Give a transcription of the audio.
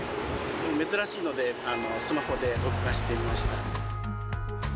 珍しいので、スマホで録画してみました。